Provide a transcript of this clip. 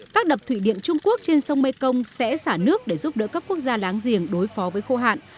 các đập thủy điện trung quốc trên sông mekong sẽ xả nước để giúp đỡ các quốc gia láng giềng đối phó với khô hạn